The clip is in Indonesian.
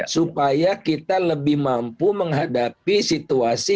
supaya kita lebih mampu menghadapi situasi